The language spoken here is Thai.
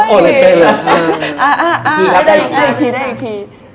โอ้ยได้อีกที